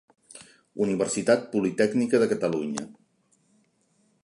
Universitat Politècnica de Catalunya.